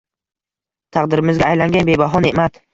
Taqdirimizga aylangan bebaho ne’mat